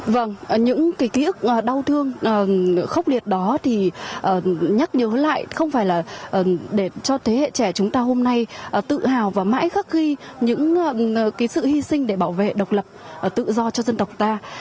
vâng những cái ký ức đau thương khốc liệt đó thì nhắc nhớ lại không phải là để cho thế hệ trẻ chúng ta hôm nay tự hào và mãi khắc ghi những sự hy sinh để bảo vệ độc lập tự do cho dân tộc ta